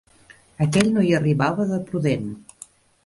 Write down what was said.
Aquell no hi arribava de prudent.